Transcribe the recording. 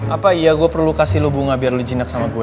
apa iya gue perlu kasih lo bunga biar lu jinak sama gue